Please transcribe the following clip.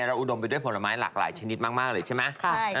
อุดมไปด้วยผลไม้หลากหลายชนิดมากเลยใช่ไหม